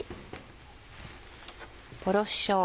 おろししょうが。